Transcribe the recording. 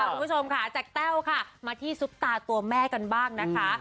คุณผู้ชมค่ะจากแต้วค่ะมาที่ซุปตาตัวแม่กันบ้างนะคะ